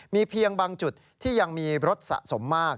มีเพียงบางจุดที่ยังมีรถสะสมมาก